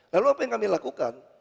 lalu apa yang kami lakukan